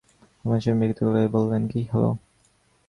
আমার স্বামী বিরক্ত গলায় বল্লেন, কী হল?